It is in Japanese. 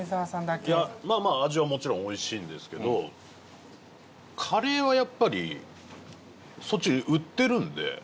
いやまあまあ味はもちろんおいしいんですけどカレーはやっぱりそっちで売ってるんで。